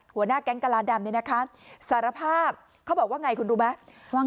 หัวหน้าแก๊งกลาดำเนี่ยนะคะสารภาพเขาบอกว่าไงคุณรู้ไหม